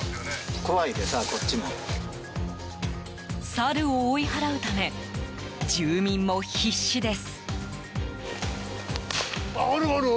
サルを追い払うため住民も必死です。